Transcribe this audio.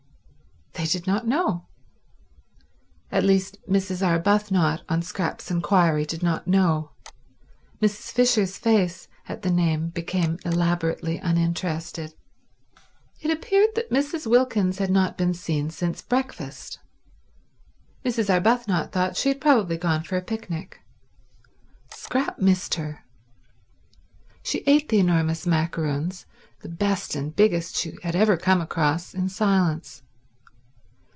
They did not know. At least, Mrs. Arbuthnot, on Scrap's inquiry, did not know; Mrs. Fisher's face, at the name, became elaborately uninterested. It appeared that Mrs. Wilkins had not been seen since breakfast. Mrs. Arbuthnot thought she had probably gone for a picnic. Scrap missed her. She ate the enormous macaroons, the best and biggest she had ever come across, in silence.